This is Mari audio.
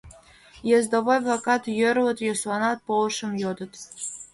Ездовой-влакат йӧрлыт, йӧсланат, полышым йодыт.